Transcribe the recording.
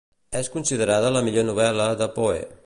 És considerada la millor novel·la de Poe.